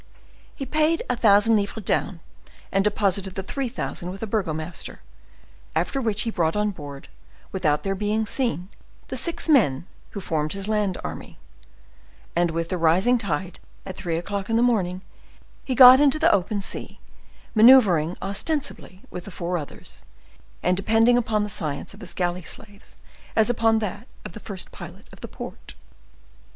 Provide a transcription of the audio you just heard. He paid a thousand livres down, and deposited the three thousand with a Burgomaster, after which he brought on board, without their being seen, the six men who formed his land army; and with the rising tide, at three o'clock in the morning, he got into the open sea, maneuvering ostensibly with the four others, and depending upon the science of his galley slave as upon that of the first pilot of the port.